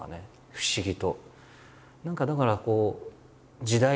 不思議と。